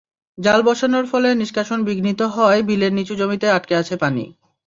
জাল বসানোর ফলে নিষ্কাশন বিঘ্নিত হওয়ায় বিলের নিচু জমিতে আটকে আছে পানি।